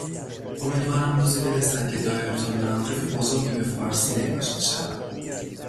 امیدوارم روزی برسد که دایرهالمعارف بزرگی به فارسی نگاشته شود.